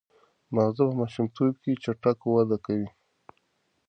ماغزه په ماشومتوب کې چټک وده کوي.